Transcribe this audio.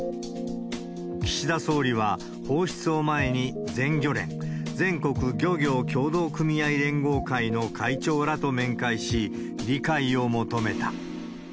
岸田総理は、放出を前に全漁連・全国漁業協同組合連合会の会長らと面会し、理解を求めた。